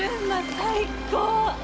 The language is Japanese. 最高！